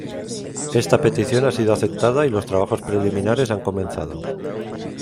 Esta petición ha sido aceptada y los trabajos preliminares han comenzado.